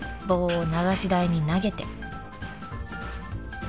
［棒を流し台に投げて］